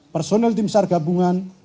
personil tim sar gabungan